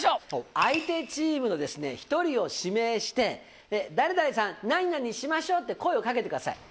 相手チームの１人を指名して「誰々さん何々しましょう！」って声を掛けてください。